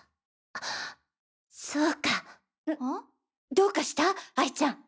どうかした？哀ちゃん。